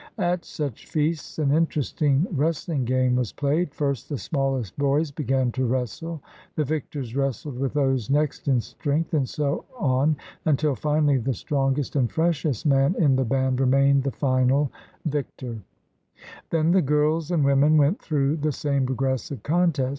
At such feasts an interesting wres tling game was played. First the smallest boys began to wrestle. The victors wrestled with those next in strength and so on until finally the strongest and freshest man in the band remained the final 130 THE RED MAN'S CONTINENT victor. Then the girls and women went through the same progressive contest.